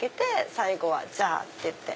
最後はじゃあ！っていって。